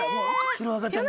弘中ちゃん